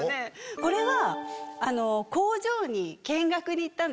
これは。